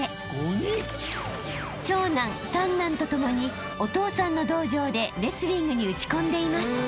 ［長男・三男と共にお父さんの道場でレスリングに打ち込んでいます］